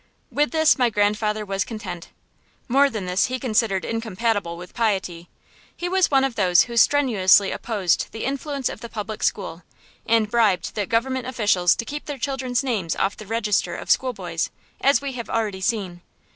With this my grandfather was content; more than this he considered incompatible with piety. He was one of those who strenuously opposed the influence of the public school, and bribed the government officials to keep their children's names off the register of schoolboys, as we have already seen.